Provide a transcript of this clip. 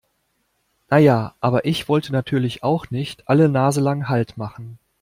Na ja, aber ich wollte natürlich auch nicht alle naselang Halt machen.